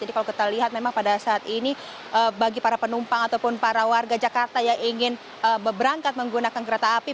jadi kalau kita lihat memang pada saat ini bagi para penumpang ataupun para warga jakarta yang ingin berangkat menggunakan kereta api